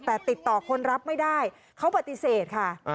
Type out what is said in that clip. แต่ติดต่อคนรับไม่ได้เขาปฏิเสธค่ะ